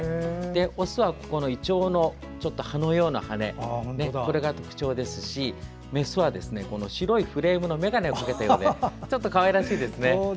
オスはイチョウの葉のような羽これが特徴ですしメスは白いフレームの眼鏡をかけたようでちょっとかわいらしいですね。